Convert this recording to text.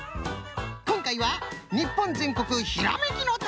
こんかいは日本全国ひらめきの旅